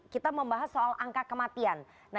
kita membahas soal angka kematian